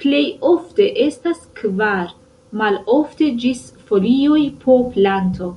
Plej ofte estas kvar, malofte ĝis folioj po planto.